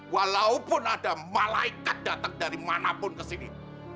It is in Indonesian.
walaupun ada malaikat datang dari mana pun ke sini